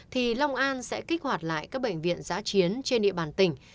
thì long an sẽ kích hoạt lại các bệnh viện giã chiến trên địa bàn tỉnh